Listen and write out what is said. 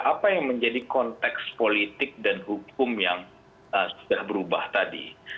apa yang menjadi konteks politik dan hukum yang sudah berubah tadi